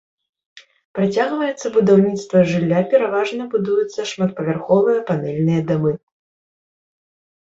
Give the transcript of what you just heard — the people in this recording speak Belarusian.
Працягваецца будаўніцтва жылля, пераважна будуюцца шматпавярховыя панэльныя дамы.